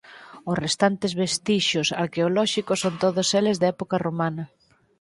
Os restantes vestixios arqueolóxicos son todos eles de época romana.